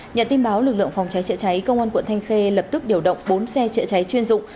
nhận tin báo lực lượng phòng trái trợ trái công an quận thanh khê lập tức điều động bốn xe trợ trái chuyên dụng